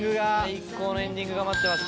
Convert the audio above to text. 最高のエンディングが待ってます